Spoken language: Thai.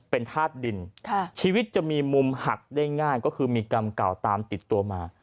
เป็นธาตุดินชีวิตจะมีมุมหักได้ง่ายก็คือมีกรรมเก่าตามติดตัวมา